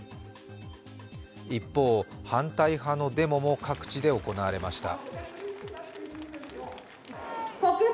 一方、反対派のデモも各地で行われました。